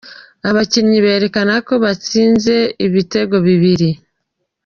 Abakinnyi berekana ko batsinze ibitego bibiri.